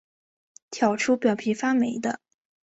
挑出表皮发霉的